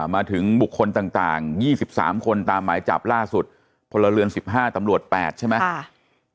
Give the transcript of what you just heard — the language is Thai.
มาถึงบุคคลต่าง๒๓คนตามหมายจับล่าสุดพลเรือน๑๕ตำรวจ๘ใช่ไหม